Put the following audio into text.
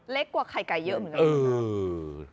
เล็กกว่าไข่ไก่เยอะเหมือนกัน